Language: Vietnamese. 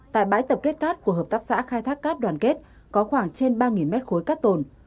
tại bãi tập kết cát của hợp tác xã khai thác cát đoàn kết có khoảng trên ba mét khối cát tồn